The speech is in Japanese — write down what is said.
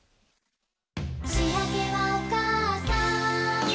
「しあげはおかあさん」